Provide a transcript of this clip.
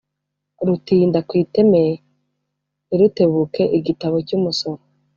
Rutinda ku iteme ntirutebuke-Igitabo cy'umusoro.